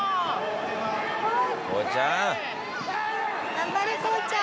頑張れこうちゃん！